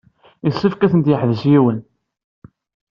Yessefk ad tent-yeḥbes yiwen.